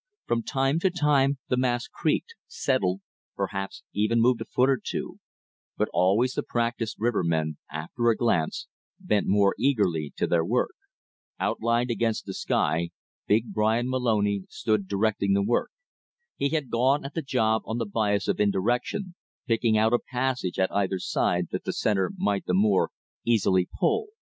From time to time the mass creaked, settled, perhaps even moved a foot or two; but always the practiced rivermen, after a glance, bent more eagerly to their work. Outlined against the sky, big Bryan Moloney stood directing the work. He had gone at the job on the bias of indirection, picking out a passage at either side that the center might the more easily "pull."